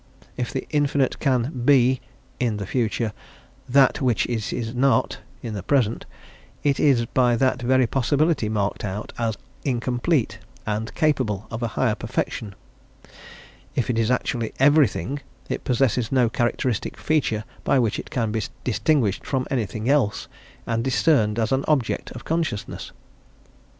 If the infinite can be" (in the future) "that which it is not" (in the present) "it is by that very possibility marked out as incomplete and capable of a higher perfection. If it is actually everything, it possesses no characteristic feature by which it can be distinguished from anything else and discerned as an object of consciousness."